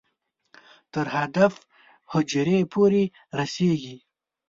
تر هدف حجرې پورې رسېږي.